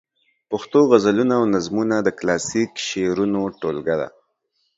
پښتو غزلونه او نظمونه د کلاسیک شعرونو ټولګه ده.